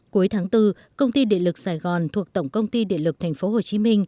cuối tháng bốn công ty địa lực sài gòn thuộc tổng công ty địa lực tp hcm